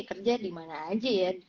kerja dimana aja ya